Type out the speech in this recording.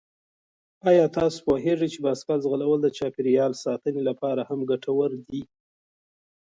آیا تاسو پوهېږئ چې بايسکل ځغلول د چاپېریال ساتنې لپاره هم ګټور دي؟